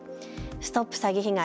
ＳＴＯＰ詐欺被害！